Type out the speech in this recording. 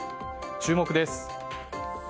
注目です。